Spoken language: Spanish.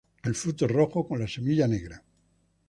El fruto es rojo con la semilla negra.